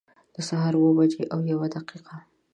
د سهار اوه بجي او یوه دقيقه